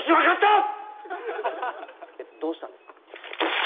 えっどうしたんですか？